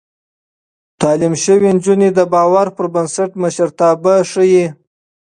تعليم شوې نجونې د باور پر بنسټ مشرتابه ښيي.